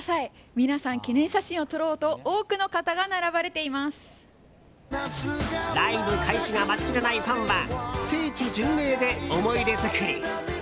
皆さん、記念写真を撮ろうとライブ開始が待ちきれないファンは聖地巡礼で思い出作り。